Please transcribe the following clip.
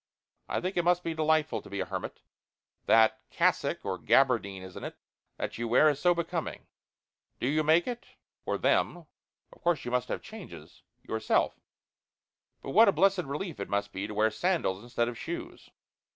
I think it must be delightful to be a hermit. That cassock or gabardine, isn't it? that you wear is so becoming. Do you make it or them of course you must have changes yourself? And what a blessed relief it must be to wear sandals instead of shoes!